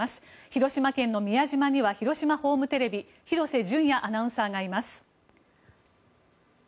広島県の宮島には広島ホームテレビ廣瀬隼也アナウンサーがいます。